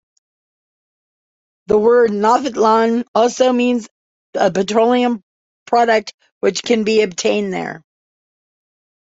The word "naftalan" also means a petroleum product which can be obtained there.